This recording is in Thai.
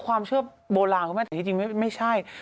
ความเชื้อโบราณที่จริงไม่ใช่